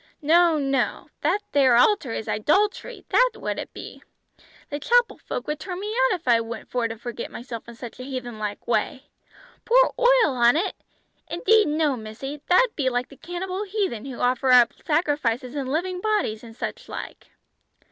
"No no, that there altar is idol'try, that is what it be. The chapel folk would turn me out if I went for to forget myself in such a heathen like way! Pour oil on it? Indeed no, missy. That be like the cannibal heathen who offer up sacrifices and living bodies, an' such like."